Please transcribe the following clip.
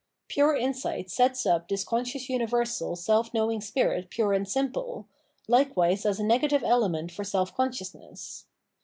Pure insight sets up this conscious universal, self knowing spirit pure and simple, likewise as a negative element for seH consciousness.